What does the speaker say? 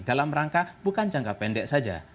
dalam rangka bukan jangka pendek saja